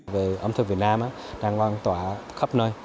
về ấm thực việt nam đang quan tỏa khắp nơi